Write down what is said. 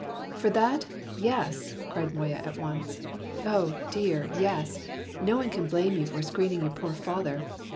"For that, yes!" cried Moya at once. "Oh, dear, yes, no one can blame you for screening your poor father.